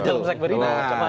di dalam segber itu